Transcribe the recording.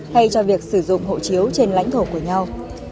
thay cho việc sử dụng hộ chiếu trên lãnh thổ của nhau